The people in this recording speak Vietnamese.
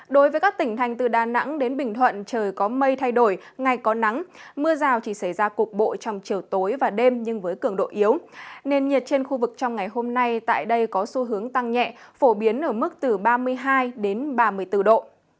đối với các tỉnh thành từ đà nẵng đến bình thuận trời có mây thay đổi ngày có nắng mưa rào chỉ xảy ra cục bộ trong chiều tối và đêm nhưng với cường độ yếu nên nhiệt trên khu vực trong ngày hôm nay tại đây có xu hướng tăng nhẹ phổ biến ở mức từ ba mươi hai đến ba mươi bốn độ